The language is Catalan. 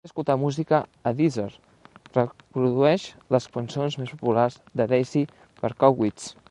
Vull escoltar música a Deezer, reprodueix les cançons més populars de Daisy Berkowitz.